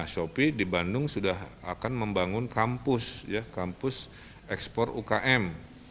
shopee di bandung sudah akan membangun kampus ekspor ukm